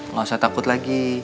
gak usah takut lagi